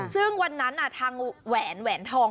ซึ่งวันนั้นทางแหวนแหวนทอง